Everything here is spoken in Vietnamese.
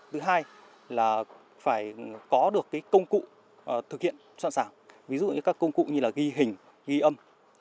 thứ hai là phải có được công cụ thực hiện sẵn sàng ví dụ như các công cụ như là ghi hình ghi âm